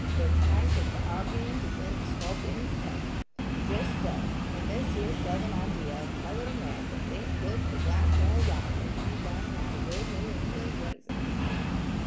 The pint of the argument is in the scorpion's tail. Jes' so; and this here Southern idea of colored Americans ain't good fer black nor white when you's done had a New England raisin'."